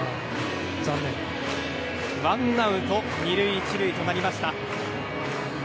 ワンアウト２塁１塁となりました。